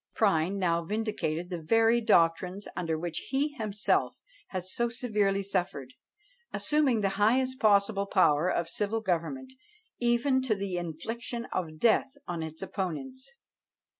Prynne now vindicated the very doctrines under which he himself had so severely suffered; assuming the highest possible power of civil government, even to the infliction of death on its opponents.